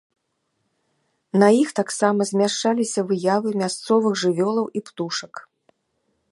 На іх таксама змяшчаліся выявы мясцовых жывёлаў і птушак.